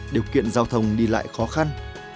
điều kiện giao thông đi lại khó khăn